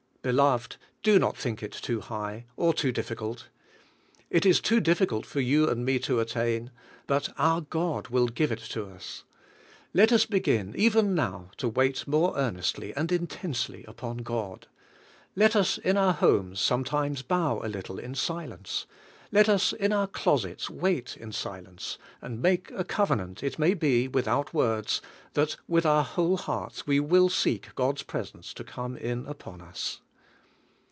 Beloved, do not think it too high, or too difficult. It is too difficult for you and me to attain, but our God will give it to us. Let us begin even now to wait more earnestly and intensely upon God. Let us in our homes sometimes dow a little in silence; let us in our closets wait in silence, and make a cov enant, it may be, wdthout words, that with our whole hearts we will seek God's presence to come in upon us.